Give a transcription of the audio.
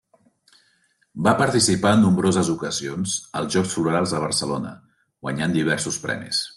Va participar en nombroses ocasions als Jocs Florals de Barcelona, guanyant diversos premis.